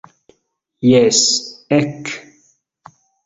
Jes, ek!